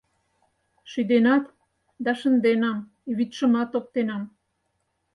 Шӱденат, да шынденам, и вӱдшымат оптенам